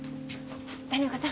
谷岡さん